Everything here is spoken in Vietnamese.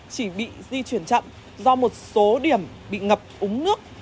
chỉ bị di chuyển chậm do một số điểm bị ngập úng nước